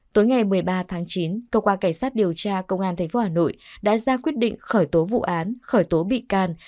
tối ngày một mươi ba tháng chín công an tp hà nội đã ra quyết định khởi tố vụ án khởi tố bị can